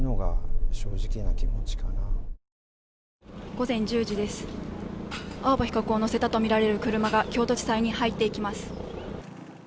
午前１０時です、青葉被告を乗せたとみられる車が京都地裁に入っていきます。